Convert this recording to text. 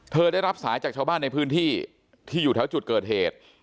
ได้รับสายจากชาวบ้านในพื้นที่ที่อยู่แถวจุดเกิดเหตุ